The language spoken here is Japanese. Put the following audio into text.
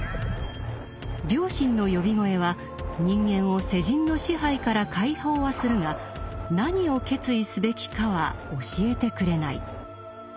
「良心の呼び声」は人間を世人の支配から解放はするが何を決意すべきかは教えてくれない。